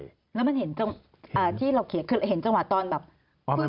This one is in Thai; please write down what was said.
แล้วมันเห็นจังหวะที่เราเขียนคือเห็นจังหวะตอนแบบ